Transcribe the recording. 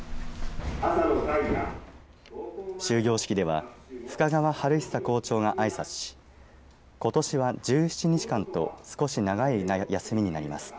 終業式では深川晴久校長があいさつしことしは１７日間と少し長い休みになります。